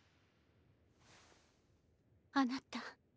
あなた。